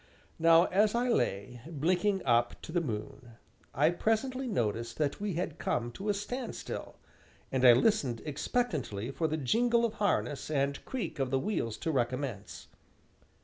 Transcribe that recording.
Now as I lay, blinking up to the moon, I presently noticed that we had come to a standstill and I listened expectantly for the jingle of harness and creak of the wheels to recommence.